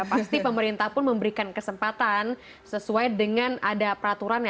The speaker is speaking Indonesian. pasti pemerintah pun memberikan kesempatan sesuai dengan ada peraturannya